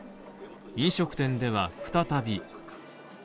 飲食店では、再び。